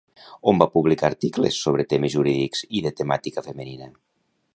On va publicar articles sobre temes jurídics i de temàtica femenina?